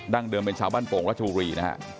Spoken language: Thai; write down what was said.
ดั่งเดิมเป็นชาวบ้านโปงราชบุรี